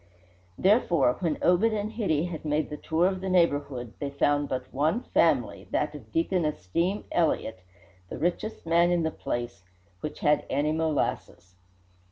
Therefore when Obed and Hitty had made the tour of the neighbourhood they found but one family, that of Deacon Esteem Elliott, the richest man in the place, which had any molasses.